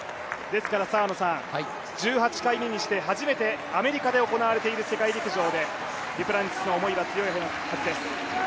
ですから１８回目にして初めてアメリカで行われている世界陸上でデュプランティスの思いは強いはずです。